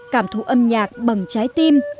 cảm thụ âm nhạc bằng trái tim